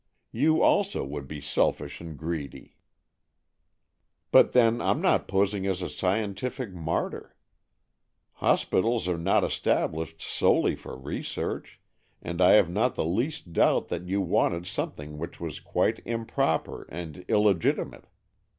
You also would be selfish and greedy." " But then I'm not posing as a scientific martyr. Hospitals are not established solely for research, and I have not the least doubt that you wanted something which was quite improper and illegitimate.